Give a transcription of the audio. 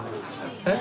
えっ？